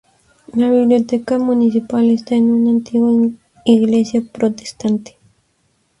La biblioteca municipal está en una antigua iglesia protestante.